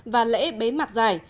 và lễ bế mạc giải